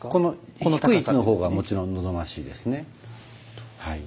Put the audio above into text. この低い位置の方がもちろん望ましいですねはい。